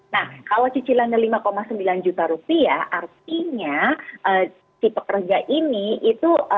nah pertanyaannya anda memang punya penghasilan sebesar itu nggak